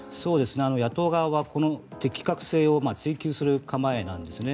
野党側は、この適格性を追及する構えなんですね。